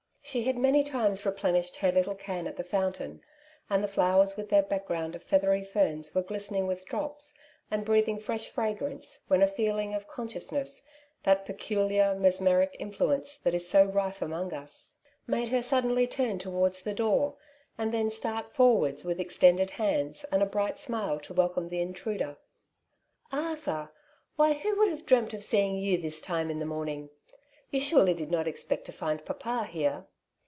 She had many times replenished her little can at the fountain, and the flowers with their background of feathery ferns were glistening with drops, and k The Home of Wealth, 15 breathing fresh fragrance, when a feeling of con sciousness — that peculiar mesmeric influence that is so rife among us — made her suddenly turn towards the door, and then start forwards with extended hands and a bright smile to welcome the intruder. '^ Arthur ! why who would have dreamt of seeing you this time in the morning ? You surely did not expect to find papa here